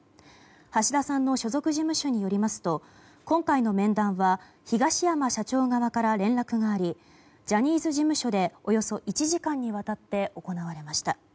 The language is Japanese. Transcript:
橋田さんの所属事務所によりますと今回の面談は東山社長側から連絡がありジャニーズ事務所でおよそ１時間にわたって行われました。